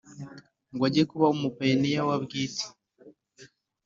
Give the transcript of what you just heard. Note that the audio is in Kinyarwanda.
Ngo ajye kuba umupayiniya wa bwite